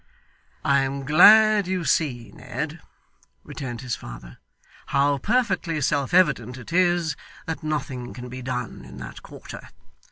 'I am glad you see, Ned,' returned his father, 'how perfectly self evident it is, that nothing can be done in that quarter.